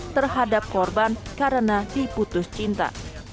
terhadap korban karena diputus cinta